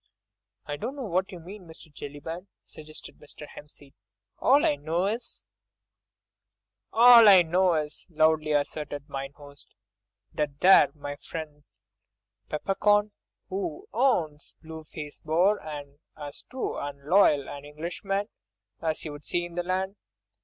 "I dunno what you mean, Mr. Jellyband," suggested Mr. Hempseed, "all I know is—" "All I know is," loudly asserted mine host, "that there was my friend Peppercorn, 'oo owns the 'Blue Faced Boar,' an' as true and loyal an Englishman as you'd see in the land.